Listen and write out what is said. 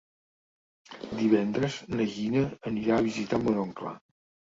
Divendres na Gina anirà a visitar mon oncle.